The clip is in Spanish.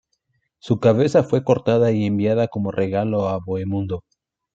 Su cabeza fue cortada y enviada como regalo a Bohemundo.